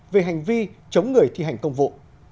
về hành vi chống người thi hành công vụ